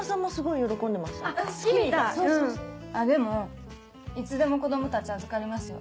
でもいつでも子供たち預かりますよ。